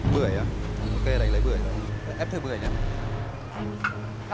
bưởi à ok anh lấy bưởi rồi